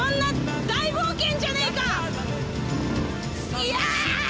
いや！